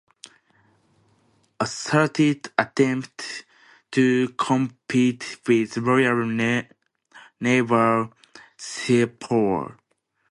Asserted attempts to compete with royal naval seapower.